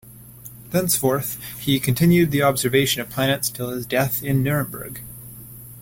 Thenceforward, he continued the observation of planets till his death in Nuremberg.